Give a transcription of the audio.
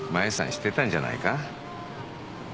知ってたんじゃないか？